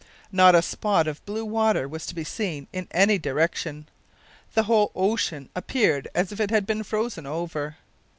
Not a spot of blue water was to be seen in any direction. The whole ocean appeared as if it had been frozen over.